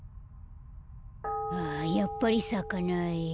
あやっぱりさかない。